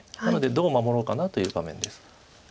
なのでどう守ろうかなという場面です。